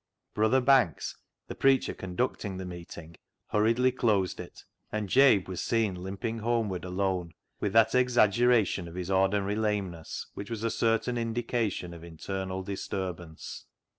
Brother Banks, the preacher conducting the meeting, hurriedly closed it, and Jabe was seen limping homeward alone, with that exaggeration of his ordinary lameness which was a certain indication of internal disturbance.